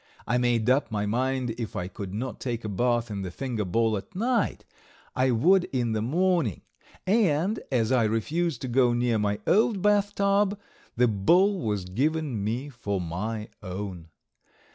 I made up my mind if I could not take a bath in the finger bowl at night, I would in the morning and, as I refused to go near my old bathtub, the bowl was given me for my own.